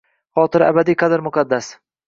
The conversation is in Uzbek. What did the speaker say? Xotira abadiy, qadr muqaddas